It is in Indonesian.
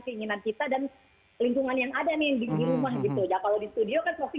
keinginan kita dan lingkungan yang ada nih di rumah gitu kalau di studio kan pasti